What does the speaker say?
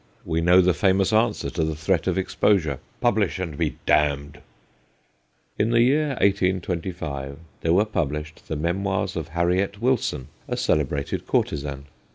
We know the famous answer to the threat of exposure :' Publish, and be damned !' In the year 1825 there were published the memoirs of Harriet Wilson, a celebrated courtesan.